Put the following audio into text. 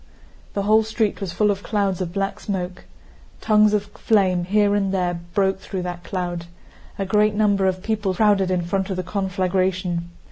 The whole street was full of clouds of black smoke. Tongues of flame here and there broke through that cloud. A great number of people crowded in front of the conflagration.